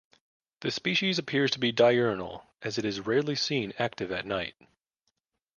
The species appears to be diurnal, as it is rarely seen active at night.